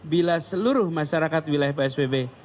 bila seluruh masyarakat wilayah psbb